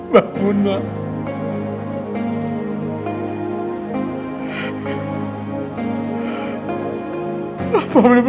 tunggu tenang baru dideketin